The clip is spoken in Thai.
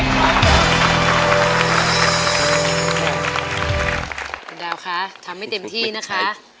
คุณดาวคะทำให้เต็มที่นะคะ